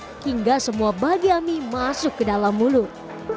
sehingga semua bagian masuk ke dalam mulut